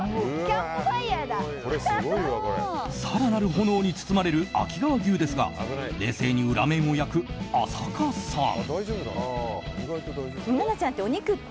更なる炎に包まれる秋川牛ですが冷静に裏面を焼く浅香さん。